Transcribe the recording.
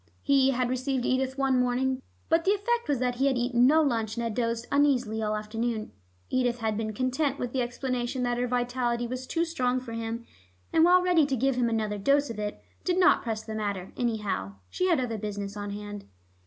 He had received Edith one morning, but the effect was that he had eaten no lunch and had dozed uneasily all afternoon. Edith had been content with the explanation that her vitality was too strong for him, and, while ready to give him another dose of it, did not press the matter; anyhow, she had other business on hand.